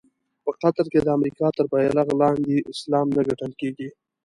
په قطر کې د امریکا تر بېرغ لاندې اسلام نه ګټل کېږي.